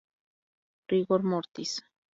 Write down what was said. Rigor Mortis.